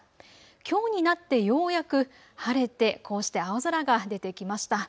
きょうになってようやく晴れてこうして青空が出てきました。